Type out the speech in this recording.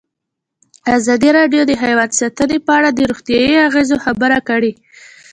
ازادي راډیو د حیوان ساتنه په اړه د روغتیایي اغېزو خبره کړې.